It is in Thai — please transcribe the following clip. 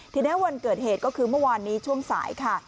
ทีนี้วันเกิดเหตุก็คือเมื่อวานนี้ช่วงสายค่ะ